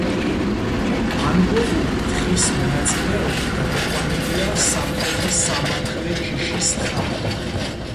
ანგორული თხის მონაწილეობით გამოყვანილია საბჭოთა სამატყლე ჯიშის თხა.